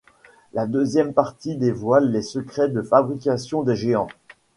La deuxième partie dévoile les secrets de fabrication des géants.